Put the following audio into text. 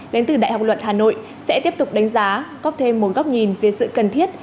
đến từ đại học luật hà nội sẽ tiếp tục đánh giá có thêm một góc nhìn về sự cần thiết